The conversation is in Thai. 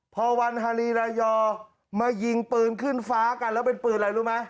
พอวันฮารีรายอมายิงปืนขึ้นฟ้ากันแล้วเป็นปืนอะไรรู้ไหม